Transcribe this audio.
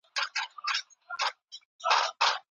په خبرو کي به مو صداقت او اخلاص وي.